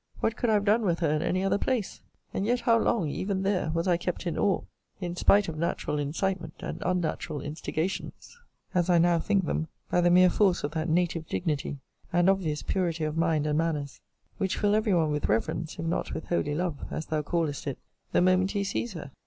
What could I have done with her in any other place? and yet how long, even there, was I kept in awe, in spite of natural incitement, and unnatural instigations, (as I now think them,) by the mere force of that native dignity, and obvious purity of mind and manners, which fill every one with reverence, if not with holy love, as thou callest it,* the moment he sees her!